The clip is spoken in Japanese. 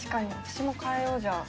私も変えようじゃあ。